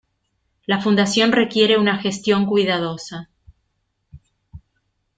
La fundación requiere una gestión cuidadosa.